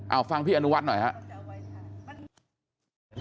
เอ้าฟังพี่อนุวัติหน่อยค่ะ